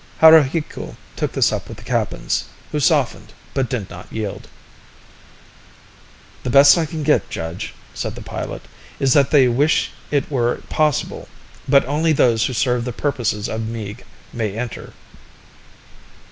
Haruhiku took this up with the Kappans, who softened but did not yield. "The best I can get, Judge," said the pilot, "is that they wish it were possible but only those who serve the purposes of Meeg may enter."